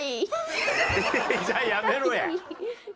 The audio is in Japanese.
じゃあやめろや！